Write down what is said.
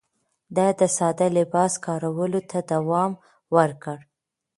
ده د ساده لباس کارولو ته دوام ورکړ.